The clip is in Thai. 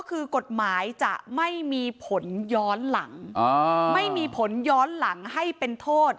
คือกฎหมายจะไม่มีผลย้อนหลังไม่มีผลย้อนหลังให้เป็นโทษ